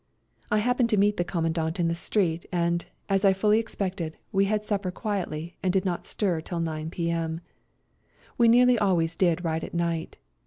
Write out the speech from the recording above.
I happened to meet the Commandant in the street, and, as I fully expected, we had supper quietly, and did not stir till 9 p.m. We nearly always did ride at night.